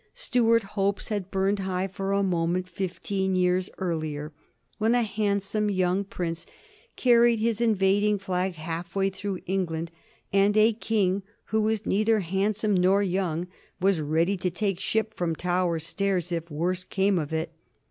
Stuart hopes had burned high for a moment, fifteen years earlier, when a handsome young Prince carried his invading flag halfway through England, and a King who was neither handsome nor young was ready to take ship from Tower Stairs if worse came of it.